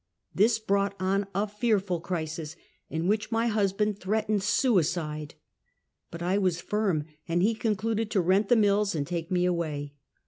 This brought on a fearful crisis, in which my husband threatened sui cide; but I was firm, and he concluded to rent the mills and take me away.